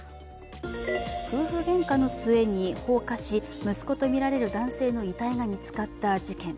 夫婦げんかの末に放火し、息子とみられる男性の遺体が見つかった事件。